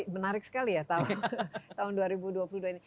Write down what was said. menarik sekali ya tahun dua ribu dua puluh dua ini